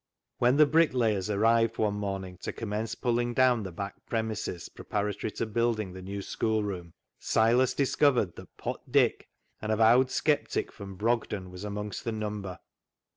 When the bricklayers arrived one morning to commence pulling down the back premises pre paratory to building the new schoolroom, Silas discovered that Pot Dick, an avowed sceptic from Brogden, was amongst the number.